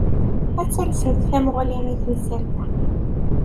Ad talsemt tamuɣli i temsalt-a.